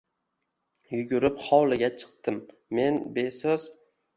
Yugurib hovliga chiqdim men besoʻz